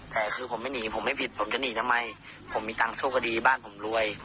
แต่คือผมไม่หนีผมไม่ผิดผมจะหนีทำไมผมมีตังค์สู้คดีบ้านผมรวย